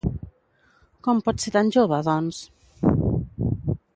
Com pot ser tan jove, doncs?